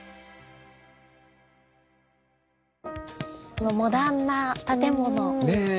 このモダンな建物！ねえ